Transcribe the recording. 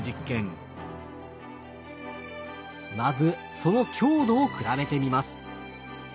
まずその強度を比べてみます。